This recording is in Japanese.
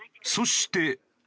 そして。